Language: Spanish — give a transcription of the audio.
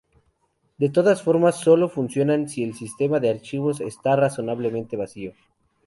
De todas formas solo funcionan si el sistema de archivos esta razonablemente vacío.